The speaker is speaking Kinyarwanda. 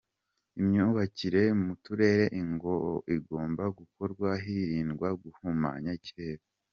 Imyubakire mu turere igomba gukorwa hirindwa guhumanya ikirere